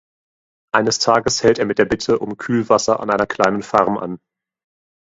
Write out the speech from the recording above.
Eines Tages hält er mit der Bitte um Kühlwasser an einer kleinen Farm an.